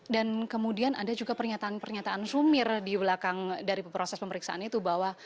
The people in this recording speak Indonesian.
kemudian ada juga pernyataan pernyataan sumir di belakang dari proses pemeriksaan itu bahwa